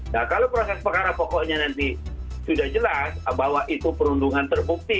nah kalau proses perkara pokoknya nanti sudah jelas bahwa itu perundungan terbukti